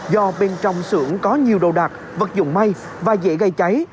do bên trong xưởng có nhiều đồ đạc vật dụng may và dễ gây cháy